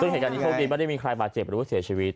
ใช่คุณเห็นการนี้โฆษ์ดีไม่ได้มีใครมาเจ็บหรือเสียชีวิต